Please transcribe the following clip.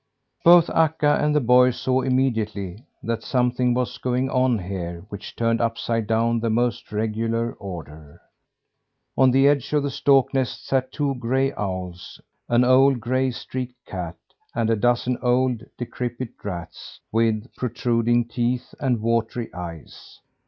Both Akka and the boy saw immediately that something was going on here which turned upside down the most regular order. On the edge of the stork nest sat two gray owls, an old, gray streaked cat, and a dozen old, decrepit rats with protruding teeth and watery eyes.